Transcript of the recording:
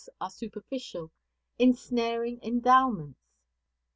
are superficial, insnaring endowments.